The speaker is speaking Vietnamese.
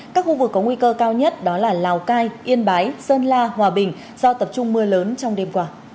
các khu vực có nguy cơ cao nhất đó là lào cai yên bái sơn la hòa bình do tập trung mưa lớn trong đêm qua